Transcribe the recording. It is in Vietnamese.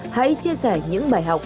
hãy chia sẻ những bài học